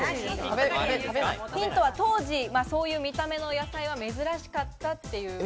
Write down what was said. ヒントは当時、そういう見た目の野菜は珍しかったということ。